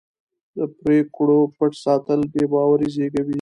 د پرېکړو پټ ساتل بې باوري زېږوي